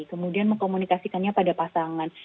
kemudian mengkomunikasikannya pada pasangan